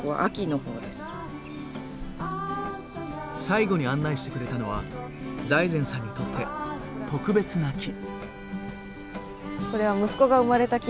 最後に案内してくれたのは財前さんにとって特別な木。